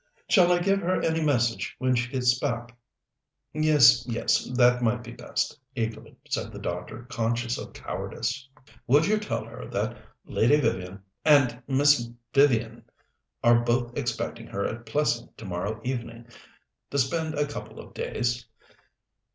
"Shall I give her any message when she gets back?" "Yes, yes; that might be best," eagerly said the doctor, conscious of cowardice. "Would you tell her that Lady Vivian and and Miss Vivian are both expecting her at Plessing tomorrow evening, to spend a couple of days?